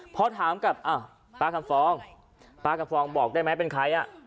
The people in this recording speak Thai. พอถามกับอ้าวป้าคำฟองป้าคำฟองบอกได้ไหมเป็นใครอ่ะ